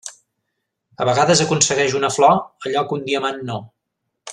A vegades aconsegueix una flor allò que un diamant no.